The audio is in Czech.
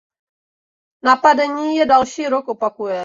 Napadení se další rok opakuje.